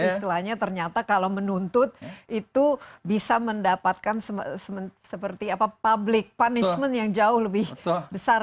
istilahnya ternyata kalau menuntut itu bisa mendapatkan seperti apa public punishment yang jauh lebih besar